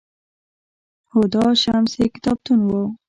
هُدا شمس یې کتابتون و